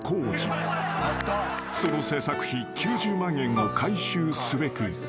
［その製作費９０万円を回収すべく］